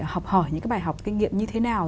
học hỏi những cái bài học kinh nghiệm như thế nào